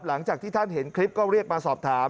หลังจากที่ท่านเห็นคลิปก็เรียกมาสอบถาม